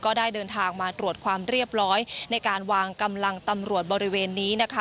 ได้เดินทางมาตรวจความเรียบร้อยในการวางกำลังตำรวจบริเวณนี้นะคะ